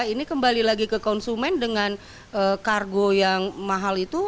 ini kembali lagi ke konsumen dengan kargo yang mahal itu